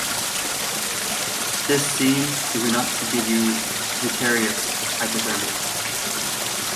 This scene is enough to give you vicarious hypothermia.